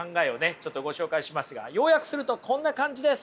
ちょっとご紹介しますが要約するとこんな感じです。